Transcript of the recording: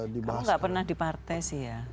dibahas kamu gak pernah di partai sih ya